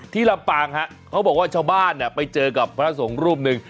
ลำปางฮะเขาบอกว่าชาวบ้านไปเจอกับพระสงฆ์รูปหนึ่ง